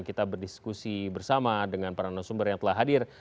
kita berdiskusi bersama dengan para narasumber yang telah hadir